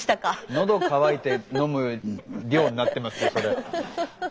喉渇いて飲む量になってますよそれ。